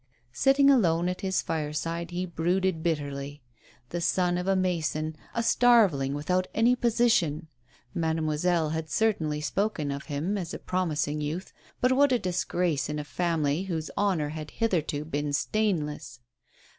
Sitting alone at his fireside, he brooded bitterly. The son of a mason, a starveling without any position 1 Mademoiselle had certainly spoken of him as a prom ising youtli, but what a disgrace in a family whose hon or had hitherto been stainless!